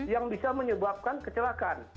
yang bisa menyebabkan kecelakaan